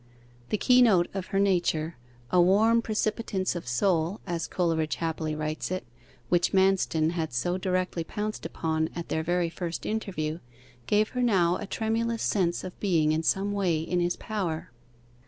The keynote of her nature, a warm 'precipitance of soul,' as Coleridge happily writes it, which Manston had so directly pounced upon at their very first interview, gave her now a tremulous sense of being in some way in his power.